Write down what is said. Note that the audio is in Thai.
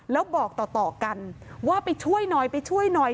แล้วบอกต่อกันว่าไปช่วยหน่อยไปช่วยหน่อย